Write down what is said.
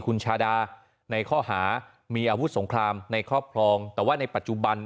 คุณชาดาในข้อหามีอาวุธสงครามในครอบครองแต่ว่าในปัจจุบัน